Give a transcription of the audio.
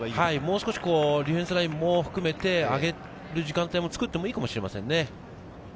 もう少しディフェンスラインも含めて上げる時間帯も作ってもいいかもしれませんね。